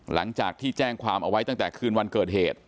หลังจากที่แจ้งความเอาไว้ตั้งแต่คืนวันเกิดเหตุ